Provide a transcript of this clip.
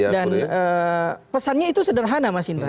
dan pesannya itu sederhana mas indra